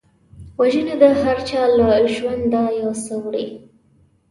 وژنه د هرچا له ژونده یو څه وړي